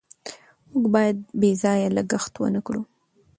موږ باید بې ځایه لګښت ونکړو.